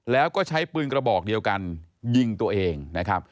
แล้วก็ใช้ปืนกระบอกเดียวกันยิงตัวเองนะครับ